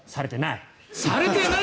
されてない。